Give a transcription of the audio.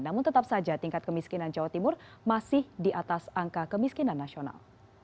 namun tetap saja tingkat kemiskinan jawa timur masih di atas angka kemiskinan nasional